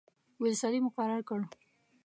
ویلسلي مقرر کړ.